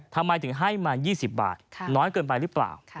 ทำไมถึงให้มา๒๐บาทน้อยเกินไปหรือเปล่า